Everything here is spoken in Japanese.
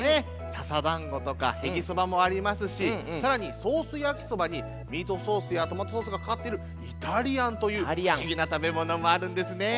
笹だんごとかへぎそばもありますしさらにソースやきそばにミートソースやトマトソースがかかってるイタリアンというふしぎなたべものもあるんですね。